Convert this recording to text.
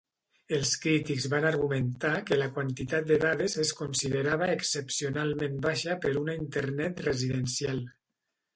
Els crítics van argumentar que la quantitat de dades es considerava excepcionalment baixa per una internet residencial.